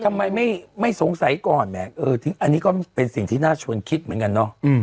ทำไมไม่สงสัยก่อนแหมอันนี้ก็เป็นสิ่งที่น่าชวนคิดเหมือนกันเนาะ